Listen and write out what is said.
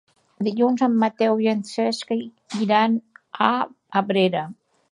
Dilluns en Mateu i en Cesc iran a Abrera.